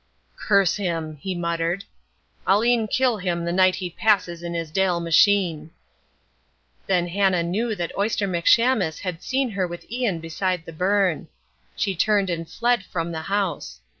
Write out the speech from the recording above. "Curse him," he muttered, "I'll e'en kill him the night as he passes in his deil machine." Then Hannah knew that Oyster McShamus had seen her with Ian beside the burn. She turned and fled from the house.